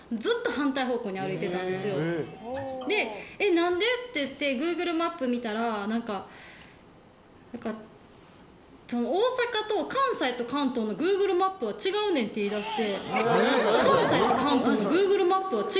何で？って言ってグーグルマップ見たら大阪と関西と関東のグーグルマップは違うねんって言い出して。